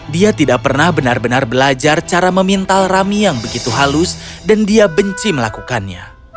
dia tidak pernah benar benar belajar cara memintal rami yang begitu halus dan dia benci melakukannya